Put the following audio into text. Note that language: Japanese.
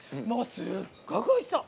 すっごくおいしそう！